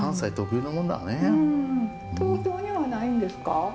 うん東京にはないんですか？